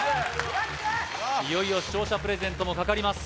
いよいよ視聴者プレゼントもかかります